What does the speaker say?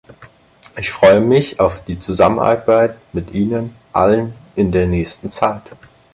Ich freue mich auf die Zusammenarbeit mit Ihnen allen in der nächsten Zeit.